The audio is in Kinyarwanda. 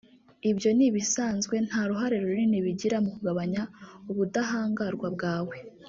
ibyo ni ibisanzwe nta ruhare runini bigira mu kugabanya ubudahangarwa bwawe